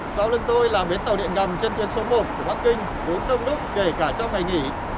sau lưng tôi là bến tàu điện đầm trên tuyên số một của bắc kinh bốn đông đúc kể cả trong ngày nghỉ